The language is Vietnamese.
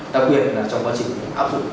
đặc biệt là trong quá trình áp dụng